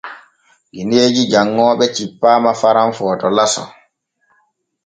Gineeji janŋooɓe cippaama Faran Footo laso.